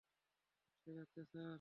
সে যাচ্ছে স্যার।